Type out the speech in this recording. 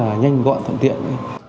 và rất là nhanh gọn thuận tiện